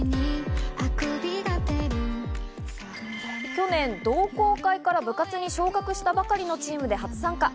去年、同好会から部活に昇格したばかりのチームで初参加。